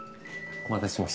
お待たせしました。